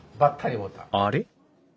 あれ？